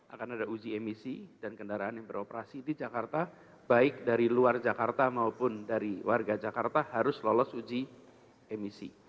akan ada uji emisi dan kendaraan yang beroperasi di jakarta baik dari luar jakarta maupun dari warga jakarta harus lolos uji emisi